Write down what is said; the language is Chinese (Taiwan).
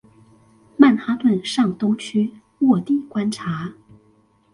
曼哈頓上東區臥底觀察